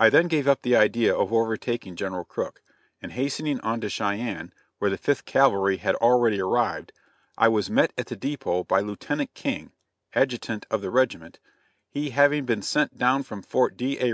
I then gave up the idea of overtaking General Crook, and hastening on to Cheyenne, where the Fifth Cavalry had already arrived, I was met at the dépôt by Lieutenant King, adjutant of the regiment, he having been sent down from Fort D. A.